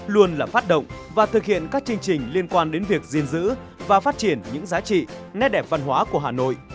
luôn là phát động và thực hiện các chương trình liên quan đến việc diên dữ và phát triển những giá trị nét đẹp văn hóa của hà nội